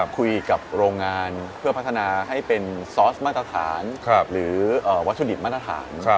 คุยกับโรงงานเพื่อพัฒนาให้เป็นซอสมาตรฐานหรือวัตถุดิบมาตรฐาน